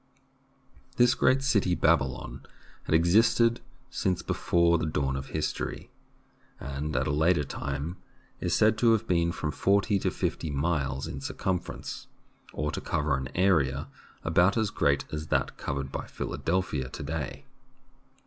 This great city, Babylon, had existed since be fore the dawn of history, and at a later time is said to have been from forty to fifty miles in circumference, or to cover an area about as great as that covered by Philadelphia to day.